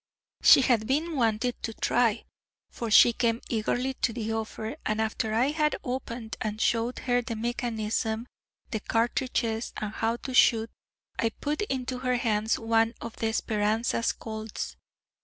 She had been wanting to try, for she came eagerly to the offer, and after I had opened and showed her the mechanism, the cartridges, and how to shoot, I put into her hands one of the Speranza Colt's.